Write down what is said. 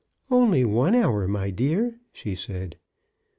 "Only one hour, my dear," she said.